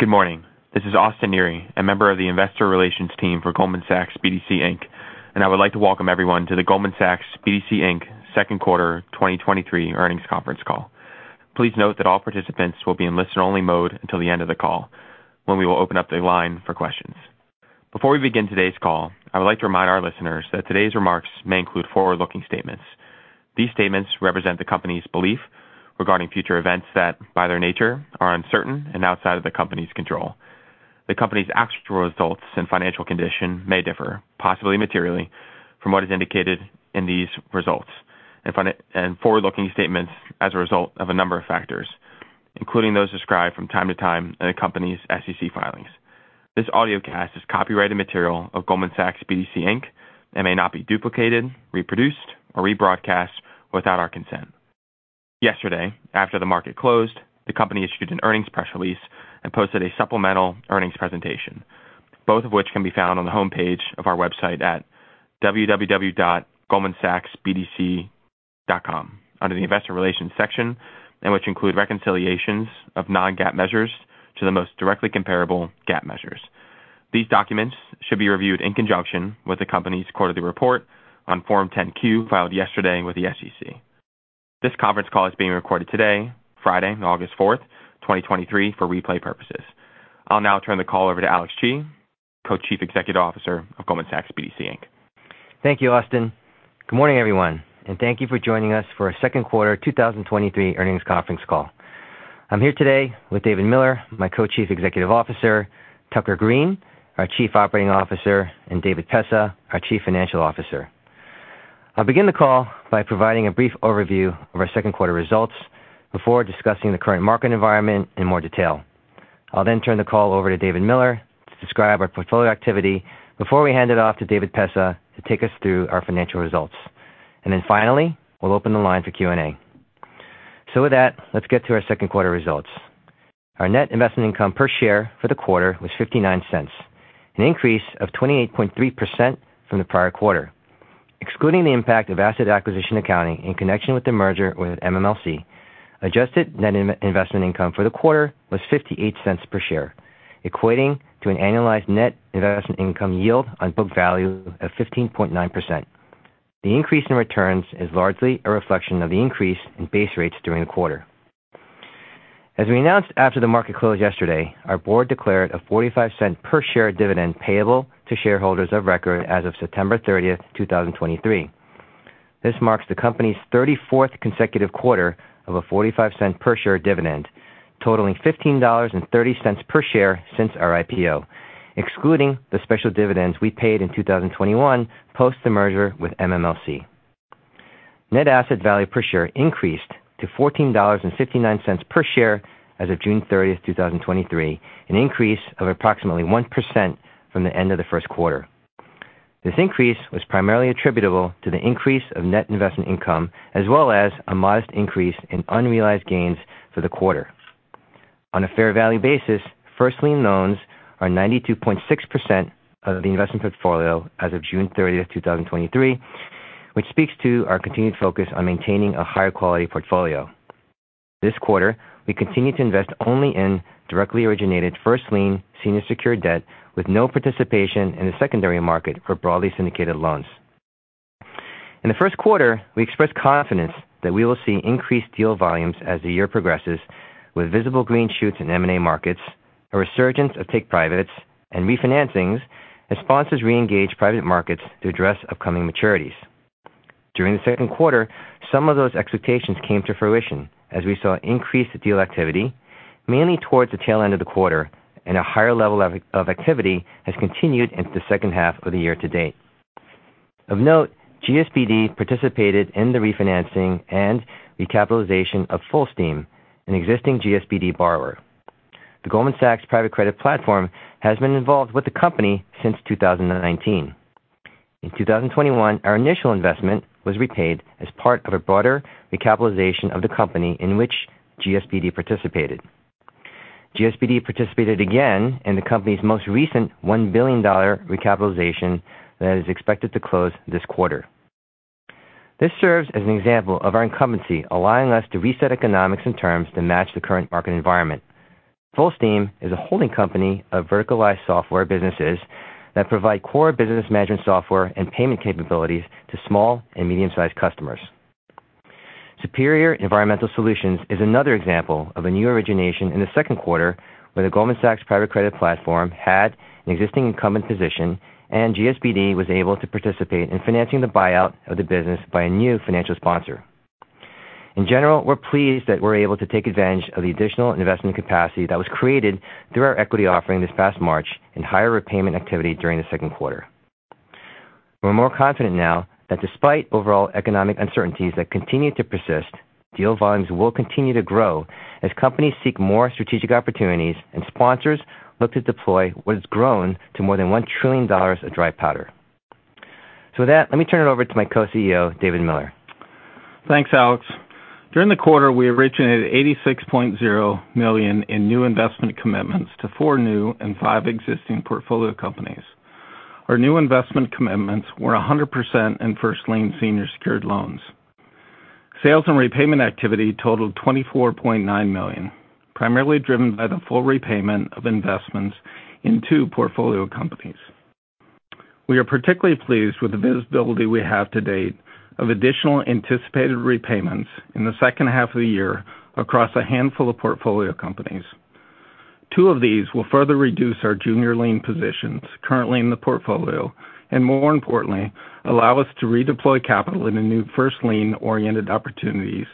Good morning. This is Austin Neri, a member of the investor relations team for Goldman Sachs BDC Inc, and I would like to welcome everyone to the Goldman Sachs BDC Inc 2nd quarter 2023 earnings conference call. Please note that all participants will be in listen-only mode until the end of the call, when we will open up the line for questions. Before we begin today's call, I would like to remind our listeners that today's remarks may include forward-looking statements. These statements represent the company's belief regarding future events that, by their nature, are uncertain and outside of the company's control. The company's actual results and financial condition may differ, possibly materially, from what is indicated in these results and forward-looking statements as a result of a number of factors, including those described from time to time in the company's SEC filings. This audiocast is copyrighted material of Goldman Sachs BDC Inc, and may not be duplicated, reproduced, or rebroadcast without our consent. Yesterday, after the market closed, the company issued an earnings press release and posted a supplemental earnings presentation, both of which can be found on the homepage of our website at www.goldmansachsbdc.com under the investor relations section, which include reconciliations of non-GAAP measures to the most directly comparable GAAP measures. These documents should be reviewed in conjunction with the company's quarterly report on Form 10-Q, filed yesterday with the SEC. This conference call is being recorded today, Friday, August 4th, 2023, for replay purposes. I'll now turn the call over to Alex Chi, Co-Chief Executive Officer of Goldman Sachs BDC Inc. Thank you, Austin. Good morning, everyone, and thank you for joining us for our second quarter 2023 earnings conference call. I'm here today with David Miller, my Co-Chief Executive Officer, Tucker Greene, our Chief Operating Officer, and David Pessah, our Chief Financial Officer. I'll begin the call by providing a brief overview of our second quarter results before discussing the current market environment in more detail. I'll turn the call over to David Miller to describe our portfolio activity before we hand it off to David Pessah to take us through our financial results. Finally, we'll open the line for Q&A. With that, let's get to our second quarter results. Our net investment income per share for the quarter was $0.59, an increase of 28.3% from the prior quarter. Excluding the impact of asset acquisition accounting in connection with the merger with MMLC, adjusted net investment income for the quarter was $0.58 per share, equating to an annualized net investment income yield on book value of 15.9%. The increase in returns is largely a reflection of the increase in base rates during the quarter. As we announced after the market closed yesterday, our board declared a $0.45 per share dividend payable to shareholders of record as of September 30th, 2023. This marks the company's 34th consecutive quarter of a $0.45 per share dividend, totaling $15.30 per share since our IPO, excluding the special dividends we paid in 2021, post the merger with MMLC. net asset value per share increased to $14.59 per share as of June 30th, 2023, an increase of approximately 1% from the end of the first quarter. This increase was primarily attributable to the increase of net investment income, as well as a modest increase in unrealized gains for the quarter. On a fair value basis, first lien loans are 92.6% of the investment portfolio as of June 30th, 2023, which speaks to our continued focus on maintaining a higher quality portfolio. This quarter, we continued to invest only in directly originated first lien senior secured debt, with no participation in the secondary market for broadly syndicated loans. In the first quarter, we expressed confidence that we will see increased deal volumes as the year progresses, with visible green shoots in M&A markets, a resurgence of take-privates and refinancings as sponsors reengage private markets to address upcoming maturities. During the second quarter, some of those expectations came to fruition as we saw increased deal activity, mainly towards the tail end of the quarter, and a higher level of activity has continued into the second half of the year to date. Of note, GSBD participated in the refinancing and recapitalization of Fullsteam, an existing GSBD borrower. The Goldman Sachs Private Credit platform has been involved with the company since 2019. In 2021, our initial investment was repaid as part of a broader recapitalization of the company in which GSBD participated. GSBD participated again in the company's most recent $1 billion recapitalization that is expected to close this quarter. This serves as an example of our incumbency, allowing us to reset economics and terms to match the current market environment. Fullsteam is a holding company of verticalized software businesses that provide core business management software and payment capabilities to small and medium-sized customers. Superior Environmental Solutions is another example of a new origination in the second quarter, where the Goldman Sachs Private Credit platform had an existing incumbent position. GSBD was able to participate in financing the buyout of the business by a new financial sponsor. In general, we're pleased that we're able to take advantage of the additional investment capacity that was created through our equity offering this past March and higher repayment activity during the second quarter. We're more confident now that despite overall economic uncertainties that continue to persist, deal volumes will continue to grow as companies seek more strategic opportunities and sponsors look to deploy what has grown to more than $1 trillion of dry powder. With that, let me turn it over to my Co-CEO, David Miller. Thanks, Alex. During the quarter, we originated $86.0 million in new investment commitments to four new and five existing portfolio companies. Our new investment commitments were 100% in first lien senior secured loans. Sales and repayment activity totaled $24.9 million, primarily driven by the full repayment of investments in two portfolio companies. We are particularly pleased with the visibility we have to date of additional anticipated repayments in the second half of the year across a handful of portfolio companies. Two of these will further reduce our junior lien positions currently in the portfolio, and more importantly, allow us to redeploy capital in a new first lien-oriented opportunities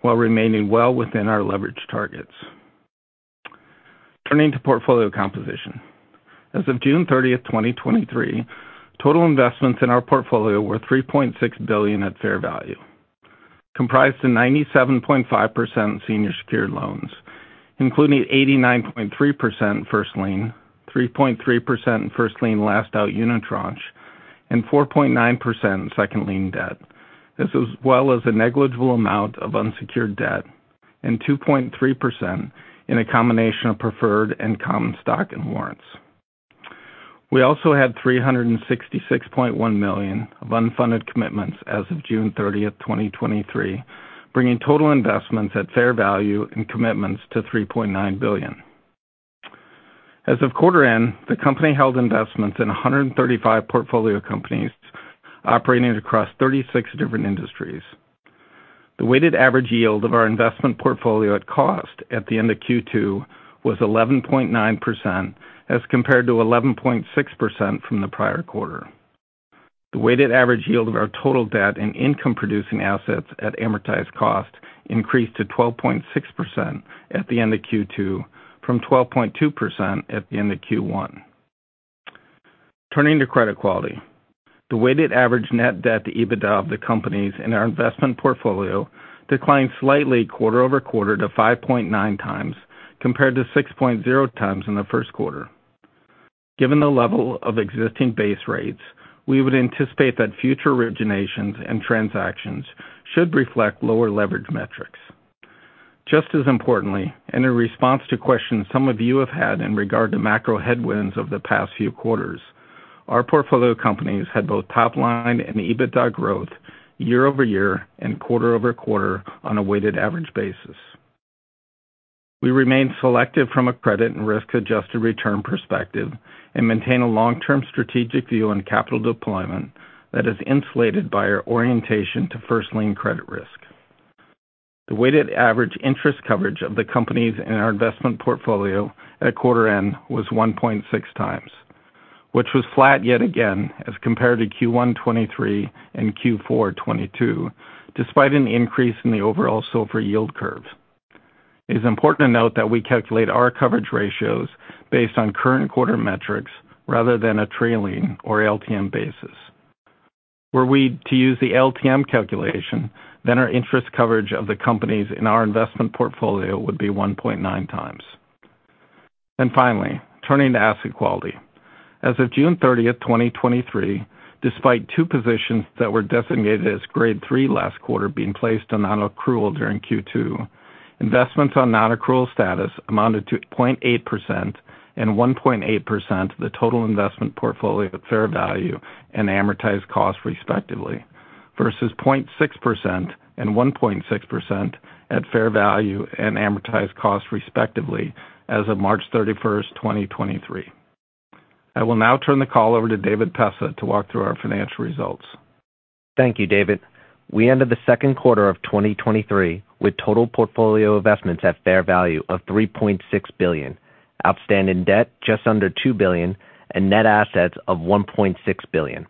while remaining well within our leverage targets. Turning to portfolio composition. As of June 30th, 2023, total investments in our portfolio were $3.6 billion at fair value, comprised of 97.5% senior secured loans, including 89.3% first lien, 3.3% in 1st Lien/Last Out Unitranche, and 4.9% in Second Lien debt. This as well as a negligible amount of unsecured debt, 2.3% in a combination of preferred and common stock and warrants. We also had $366.1 million of unfunded commitments as of June 30th, 2023, bringing total investments at fair value and commitments to $3.9 billion. As of quarter end, the company held investments in 135 portfolio companies operating across 36 different industries. The weighted average yield of our investment portfolio at cost at the end of Q2 was 11.9%, as compared to 11.6% from the prior quarter. The weighted average yield of our total debt and income-producing assets at amortized cost increased to 12.6% at the end of Q2 from 12.2% at the end of Q1. Turning to credit quality. The weighted average net debt to EBITDA of the companies in our investment portfolio declined slightly quarter-over-quarter to 5.9x, compared to 6.0x in the first quarter. Given the level of existing base rates, we would anticipate that future originations and transactions should reflect lower leverage metrics. Just as importantly, in response to questions some of you have had in regard to macro headwinds over the past few quarters, our portfolio companies had both top-line and EBITDA growth year-over-year and quarter-over-quarter on a weighted average basis. We remain selective from a credit and risk-adjusted return perspective and maintain a long-term strategic view on capital deployment that is insulated by our orientation to first lien credit risk. The weighted average interest coverage of the companies in our investment portfolio at quarter end was 1.6x, which was flat yet again as compared to Q1 2023 and Q4 2022, despite an increase in the overall SOFR yield curve. It is important to note that we calculate our coverage ratios based on current quarter metrics rather than a trailing or LTM basis. Were we to use the LTM calculation, then our interest coverage of the companies in our investment portfolio would be 1.9x. Finally, turning to asset quality. As of June 30th, 2023, despite two positions that were designated as Grade 3 last quarter being placed on non-accrual during Q2, investments on non-accrual status amounted to 0.8% and 1.8% of the total investment portfolio at fair value and amortized cost, respectively, versus 0.6% and 1.6% at fair value and amortized cost, respectively, as of March 31st, 2023. I will now turn the call over to David Pessah to walk through our financial results. Thank you, David. We ended the second quarter of 2023 with total portfolio investments at fair value of $3.6 billion, outstanding debt just under $2 billion, and net assets of $1.6 billion.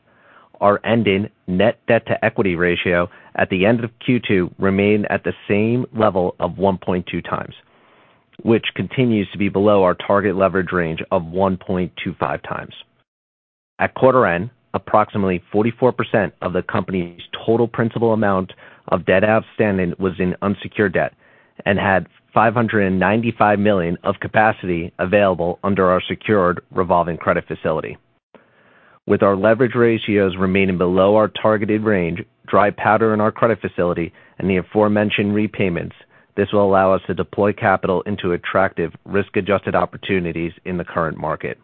Our ending net debt-to-equity ratio at the end of Q2 remained at the same level of 1.2x, which continues to be below our target leverage range of 1.25x. At quarter end, approximately 44% of the company's total principal amount of debt outstanding was in unsecured debt and had $595 million of capacity available under our secured revolving credit facility. With our leverage ratios remaining below our targeted range, dry powder in our credit facility, and the aforementioned repayments, this will allow us to deploy capital into attractive risk-adjusted opportunities in the current market.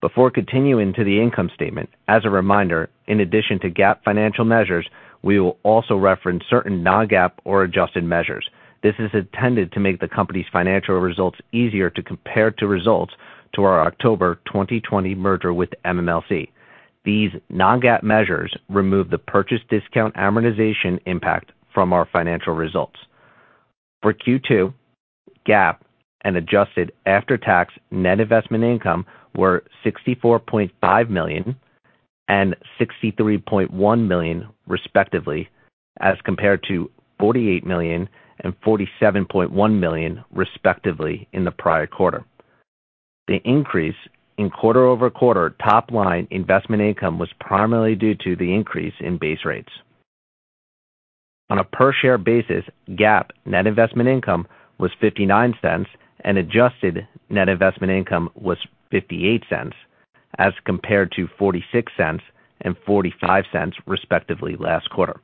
Before continuing to the income statement, as a reminder, in addition to GAAP financial measures, we will also reference certain non-GAAP or adjusted measures. This is intended to make the company's financial results easier to compare to results to our October 2020 merger with MMLC. These non-GAAP measures remove the purchase discount amortization impact from our financial results. For Q2, GAAP and adjusted after-tax net investment income were $64.5 million and $63.1 million, respectively, as compared to $48 million and $47.1 million, respectively, in the prior quarter. The increase in quarter-over-quarter top-line investment income was primarily due to the increase in base rates. On a per-share basis, GAAP net investment income was $0.59, and adjusted net investment income was $0.58, as compared to $0.46 and $0.45, respectively, last quarter.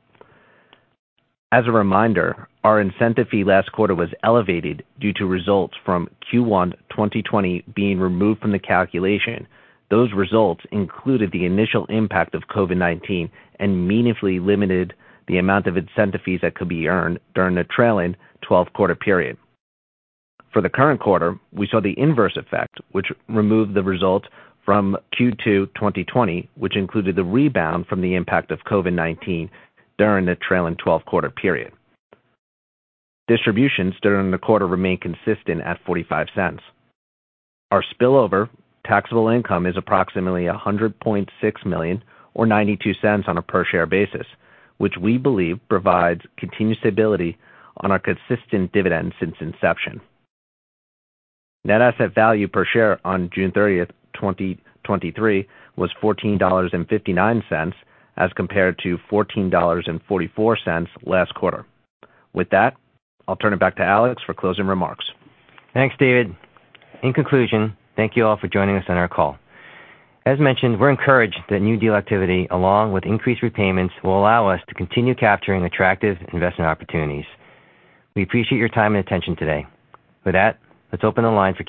As a reminder, our incentive fee last quarter was elevated due to results from Q1 2020 being removed from the calculation. Those results included the initial impact of COVID-19 and meaningfully limited the amount of incentive fees that could be earned during the trailing twelve-quarter period. For the current quarter, we saw the inverse effect, which removed the result from Q2 2020, which included the rebound from the impact of COVID-19 during the trailing twelve-quarter period. Distributions during the quarter remained consistent at $0.45. Our spillover taxable income is approximately $100.6 million, or $0.92 on a per share basis, which we believe provides continued stability on our consistent dividend since inception. Net asset value per share on June 30, 2023, was $14.59, as compared to $14.44 last quarter. With that, I'll turn it back to Alex for closing remarks. Thanks, David. In conclusion, thank you all for joining us on our call. As mentioned, we're encouraged that new deal activity, along with increased repayments, will allow us to continue capturing attractive investment opportunities. We appreciate your time and attention today. With that, let's open the line for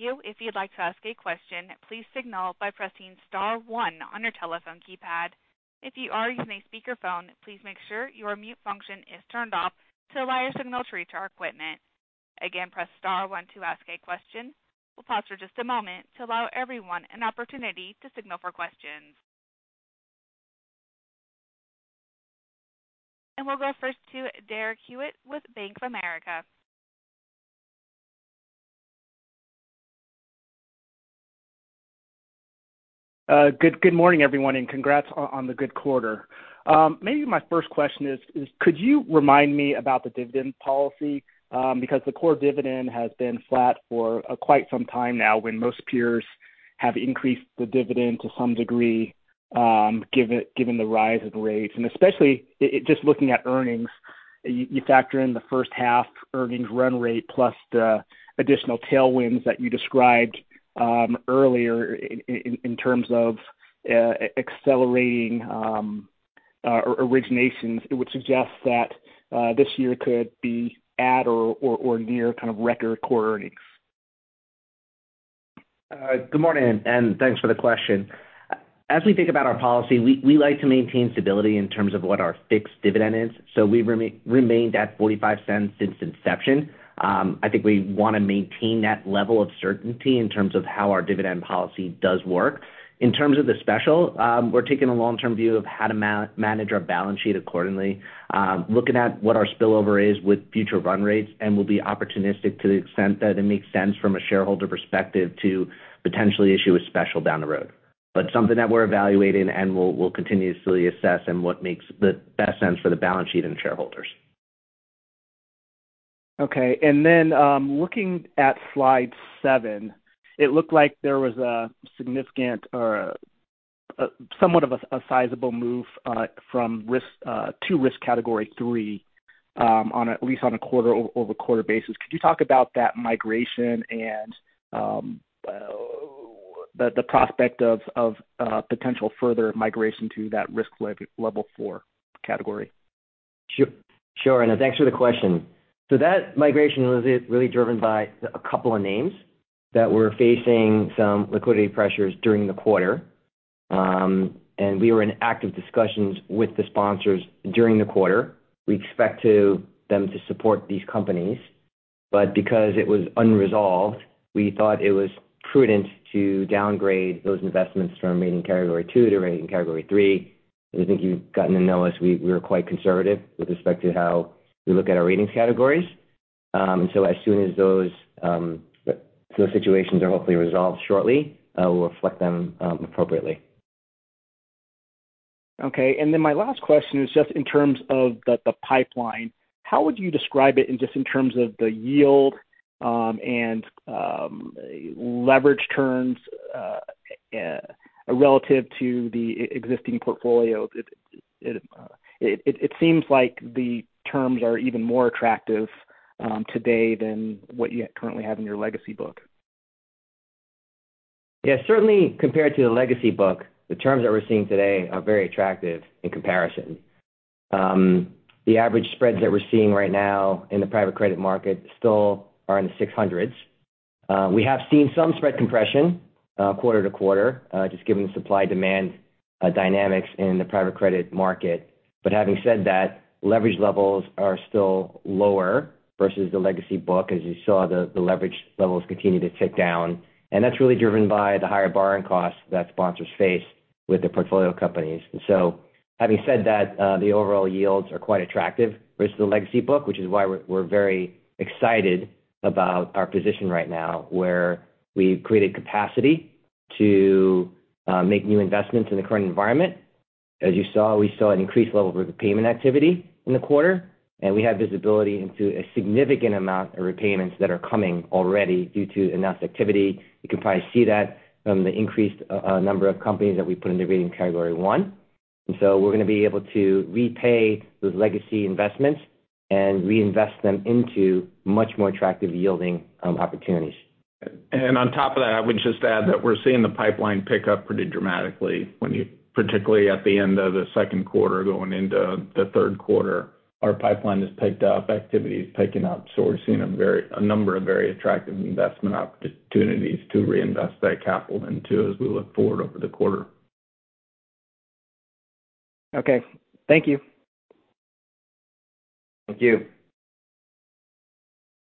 Q&A. Thank you. If you'd like to ask a question, please signal by pressing star one on your telephone keypad. If you are using a speakerphone, please make sure your mute function is turned off to allow your signal to reach our equipment. Again, press star one to ask a question. We'll pause for just a moment to allow everyone an opportunity to signal for questions. We'll go first to Derek Hewett with Bank of America. Good, good morning, everyone, and congrats on the good quarter. Maybe my first question is, could you remind me about the dividend policy? Because the core dividend has been flat for quite some time now, when most peers have increased the dividend to some degree, given the rise of rates. Especially, just looking at earnings, you factor in the first half earnings run rate, plus the additional tailwinds that you described earlier in terms of accelerating originations, it would suggest that this year could be at or near kind of record quarter earnings. Good morning, thanks for the question. As we think about our policy, we like to maintain stability in terms of what our fixed dividend is, so we remained at $0.45 since inception. I think we wanna maintain that level of certainty in terms of how our dividend policy does work. In terms of the special, we're taking a long-term view of how to manage our balance sheet accordingly, looking at what our spillover is with future run rates, and we'll be opportunistic to the extent that it makes sense from a shareholder perspective to potentially issue a special down the road. Something that we're evaluating and we'll continuously assess and what makes the best sense for the balance sheet and shareholders. Okay. Looking at slide seven, it looked like there was a significant or, somewhat of a, a sizable move, from risk, to risk category three, on at least on a quarter-over-quarter basis. Could you talk about that migration and, the, the prospect of, of, potential further migration to that risk level four category? Sure, thanks for the question. That migration was really driven by a couple of names that were facing some liquidity pressures during the quarter. We were in active discussions with the sponsors during the quarter. We expect them to support these companies, because it was unresolved, we thought it was prudent to downgrade those investments from rating category two to rating category three. I think you've gotten to know us. We're quite conservative with respect to how we look at our rating categories. As soon as those situations are hopefully resolved shortly, we'll reflect them appropriately. Okay, then my last question is just in terms of the, the pipeline. How would you describe it in just in terms of the yield and leverage terms relative to the existing portfolio? It seems like the terms are even more attractive today than what you currently have in your legacy book. Yes, certainly, compared to the legacy book, the terms that we're seeing today are very attractive in comparison. The average spreads that we're seeing right now in the private credit market still are in the 600s. We have seen some spread compression quarter to quarter just given the supply-demand dynamics in the private credit market. But having said that, leverage levels are still lower versus the legacy book. As you saw, the leverage levels continue to tick down, and that's really driven by the higher borrowing costs that sponsors face with the portfolio companies. Having said that, the overall yields are quite attractive versus the legacy book, which is why we're very excited about our position right now, where we've created capacity to make new investments in the current environment. As you saw, we saw an increased level of repayment activity in the quarter, and we have visibility into a significant amount of repayments that are coming already due to announced activity. You can probably see that from the increased number of companies that we put in the rating category one. So we're going to be able to repay those legacy investments and reinvest them into much more attractive yielding opportunities. On top of that, I would just add that we're seeing the pipeline pick up pretty dramatically particularly at the end of the second quarter, going into the third quarter. Our pipeline has picked up, activity has taken up, so we're seeing a number of very attractive investment opportunities to reinvest that capital into as we look forward over the quarter. Okay, thank you. Thank you.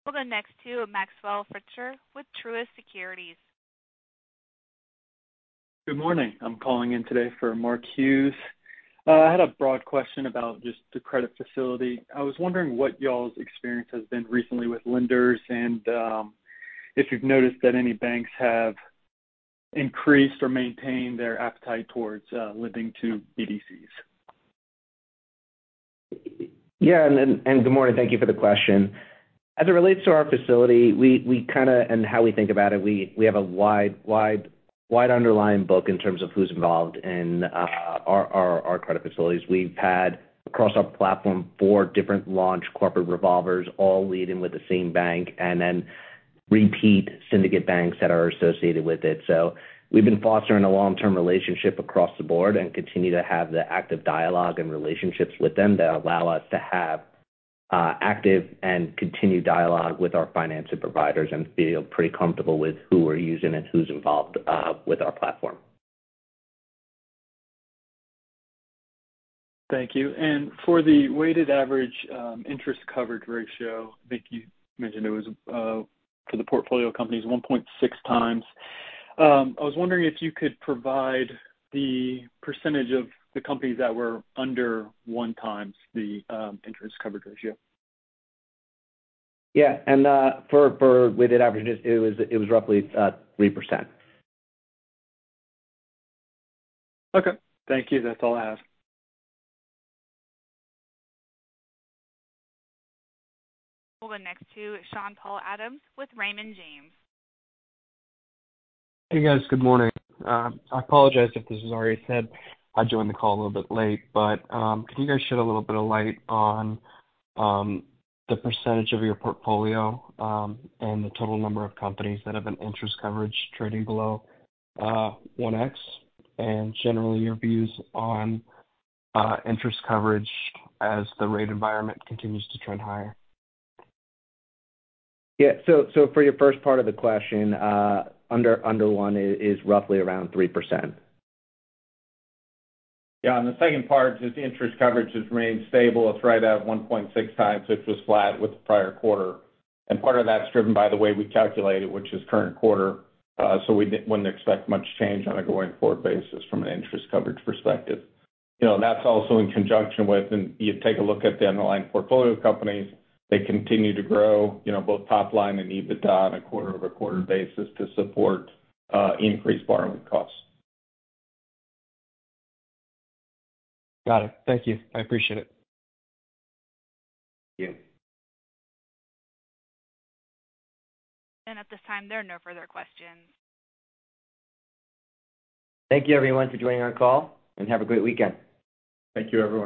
We'll go next to Maxwell Fritscher with Truist Securities. Good morning. I'm calling in today for Mark Hughes. I had a broad question about just the credit facility. I was wondering what y'all's experience has been recently with lenders and, if you've noticed that any banks have increased or maintained their appetite towards, lending to BDCs. Good morning. Thank you for the question. As it relates to our facility, and how we think about it, we have a wide, wide, wide underlying book in terms of who's involved in our credit facilities. We've had, across our platform, four different launch corporate revolvers, all leading with the same bank, and then repeat syndicate banks that are associated with it. We've been fostering a long-term relationship across the board and continue to have the active dialogue and relationships with them that allow us to have active and continued dialogue with our financing providers and feel pretty comfortable with who we're using and who's involved with our platform. Thank you. For the weighted average, interest coverage ratio, I think you mentioned it was, for the portfolio companies, 1.6x. I was wondering if you could provide the % of the companies that were under 1x the interest coverage ratio. Yeah. For, for weighted average, it was, it was roughly, 3%. Okay. Thank you. That's all I have. We'll go next to Sean-Paul Adams with Raymond James. Hey, guys. Good morning. I apologize if this was already said. I joined the call a little bit late. Can you guys shed a little bit of light on the percentage of your portfolio, and the total number of companies that have an interest coverage trading below 1x, and generally, your views on interest coverage as the rate environment continues to trend higher? Yeah. so, so for your first part of the question, under, under one is, is roughly around 3%. Yeah, on the second part, just the interest coverage has remained stable. It's right at 1.6x, which was flat with the prior quarter. Part of that's driven by the way we calculate it, which is current quarter. We wouldn't expect much change on a going-forward basis from an interest coverage perspective. You know, that's also in conjunction with, and you take a look at the underlying portfolio companies, they continue to grow, you know, both top line and EBITDA on a quarter-over-quarter basis to support increased borrowing costs. Got it. Thank you. I appreciate it. Thank you. At this time, there are no further questions. Thank you, everyone, for joining our call, and have a great weekend. Thank you, everyone.